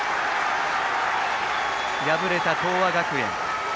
敗れた東亜学園。